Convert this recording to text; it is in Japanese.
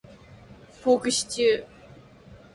ポークシチュー